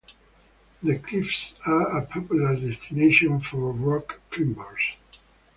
The cliffs are a popular destination for rock climbers.